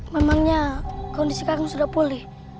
memangnya kondisi sekarang sudah pulih